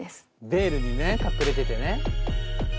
ベールにね隠れててね。